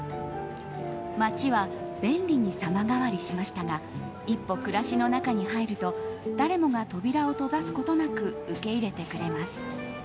街は便利に様変わりしましたが一歩、暮らしの中に入ると誰もが扉を閉ざすことなく受け入れてくれます。